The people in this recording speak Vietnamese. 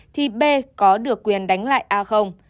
thì b có được quyền đánh lại a không